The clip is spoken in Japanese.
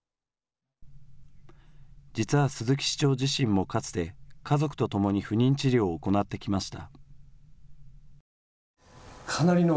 実は鈴木市長自身もかつて家族とともに不妊治療を行ってきました。